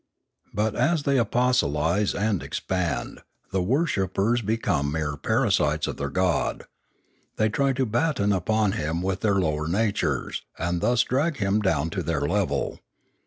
But, as they apostolise and expand, the worshippers become mere parasites of their God; they try to batten upon Him with their lower natures, and thus drag Him down to their level.